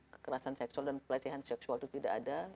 kekerasan seksual dan pelecehan seksual itu tidak ada